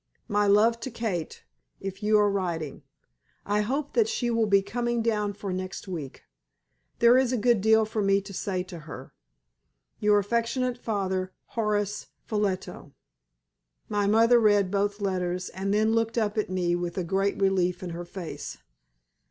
My love to Kate, if you are writing. I hope that she will be coming down for next week. There is a good deal for me to say to her. Your affectionate father, Horace Ffolliot." My mother read both letters, and then looked up at me with a great relief in her face.